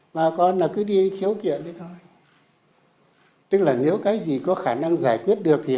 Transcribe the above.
và chúng tôi sẽ tiếp thu để về báo cáo với quốc hội